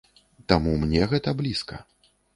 Таму мне гэта блізка.